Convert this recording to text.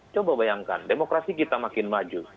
coba bayangkan demokrasi kita makin maju